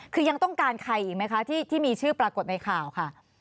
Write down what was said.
คือยังต้องการใครอีกไหมคะที่มีชื่อปรากฏในข่าวค่ะ